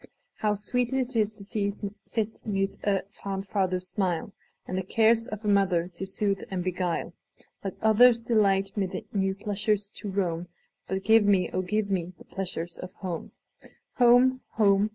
How sweet 't is to sit 'neath a fond father's smile, And the cares of a mother to soothe and beguile! Let others delight mid new pleasures to roam, But give me, oh, give me, the pleasures of home! Home! home!